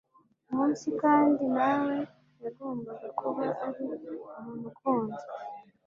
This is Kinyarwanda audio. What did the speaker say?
munsi, kandi nawe yagombaga kuba ari umuntu ukunzwe